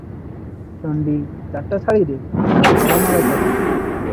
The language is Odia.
ଚଣ୍ଡୀ ଚାଟଶାଳୀରେ ବଡ଼ ଗୋଳମାଳ କରେ ।